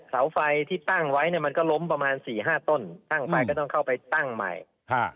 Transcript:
เสาไฟที่ตั้งไว้เนี่ยมันก็ล้มประมาณสี่ห้าต้นตั้งไฟก็ต้องเข้าไปตั้งใหม่ฮะ